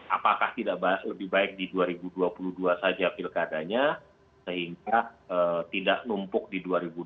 apakah tidak lebih baik di dua ribu dua puluh dua saja pilkadanya sehingga tidak numpuk di dua ribu dua puluh